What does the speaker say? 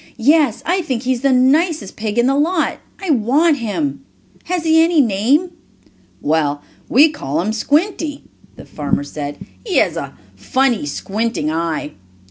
"Yes, I think he is the nicest pig in the lot. I want him. Has he any name?" "Well, we call him Squinty," the farmer said. "He has a funny, squinting eye."